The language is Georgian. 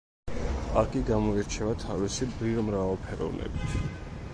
პარკი გამოირჩევა თავისი ბიომრავალფეროვნებით.